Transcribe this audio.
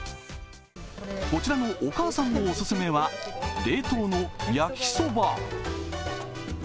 こちらのお母さんのオススメは冷凍の焼そば。